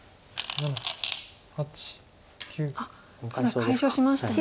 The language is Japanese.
ただ解消しましたね。